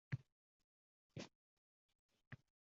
musiqachilar va qo‘shiqchilarni;